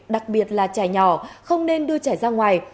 đặc biệt là trải nhỏ không nên đưa trải ra ngoài